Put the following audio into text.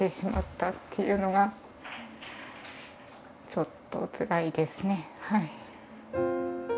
ちょっとつらいですね